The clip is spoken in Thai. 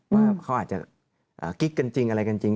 ว่าเขาอาจจะกิ๊กกันจริงอะไรกันจริง